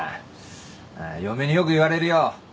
ああ嫁によく言われるよ。